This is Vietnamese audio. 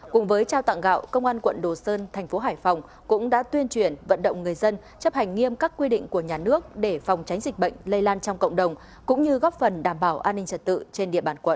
cùng với trao tặng gạo công an quận đồ sơn thành phố hải phòng cũng đã tuyên truyền vận động người dân chấp hành nghiêm các quy định của nhà nước để phòng tránh dịch bệnh lây lan trong cộng đồng cũng như góp phần đảm bảo an ninh trật tự trên địa bàn quận